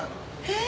え！